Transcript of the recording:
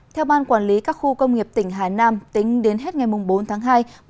theo ban quản lý các khu công nghiệp tỉnh hà nam tính đến hết ngày bốn tháng hai